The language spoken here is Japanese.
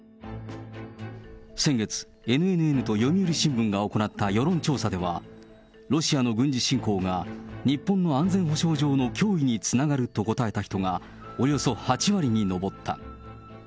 先月、ＮＮＮと読売新聞が行った世論調査では、ロシアの軍事侵攻が日本の安全保障上の脅威につながると答えた人がおよそ８割に上った。